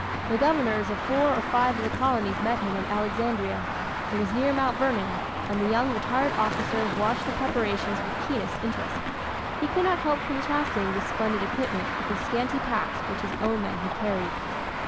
The governors of four or five of the colonies met him at Alexandria. It was near Mount Vernon, and the young retired officer watched the preparations with keenest interest. He could not help contrasting this splendid equipment with the scanty packs which his own men had carried.